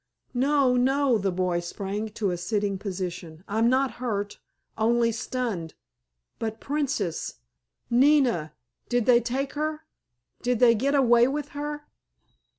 "No, no," the boy sprang to a sitting position. "I'm not hurt—only stunned—but Princess—Nina—did they take her? Did they get away with her?"